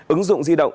ứng dụng di động